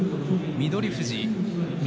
翠富士翠